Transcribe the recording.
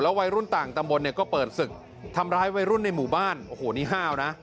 วัยรุ่นต่างตำบลเนี่ยก็เปิดศึกทำร้ายวัยรุ่นในหมู่บ้านโอ้โหนี่ห้าวนะ